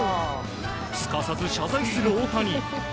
すかさず謝罪する大谷。